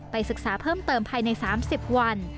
ศึกษาเพิ่มเติมภายใน๓๐วัน